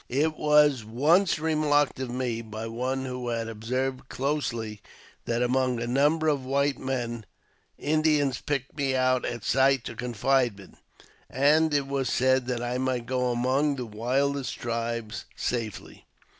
It was once remarked of me by one who had observed closely that among a number of white men Indians picked me out at sight to confide in ; and it was said that I might go among the wildest tribes safely.